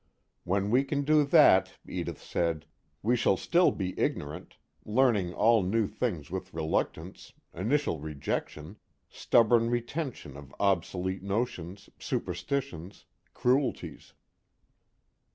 When we can do that, Edith said, we shall still be ignorant, learning all new things with reluctance, initial rejection, stubborn retention of obsolete notions, superstitions, cruelties.